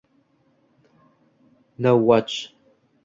Nowwatch